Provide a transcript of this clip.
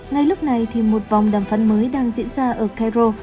ngay lúc này một vòng đàm phán mới đang diễn ra ở cairo